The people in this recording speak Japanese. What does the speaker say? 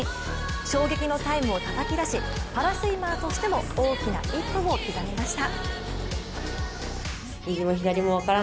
衝撃のタイムをたたき出しパラスイマーとしても大きな一歩を刻みました。